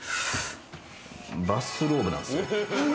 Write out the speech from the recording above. バスローブなんですよ。